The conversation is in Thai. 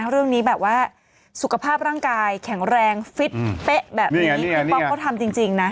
เรื่องนี้แบบว่าสุขภาพร่างกายแข็งแรงฟิตเป๊ะแบบนี้พี่ป๊อปเขาทำจริงนะ